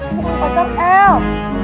itu kan pacar el